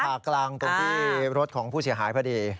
กลางตรงที่รถของผู้เสียหายพอดี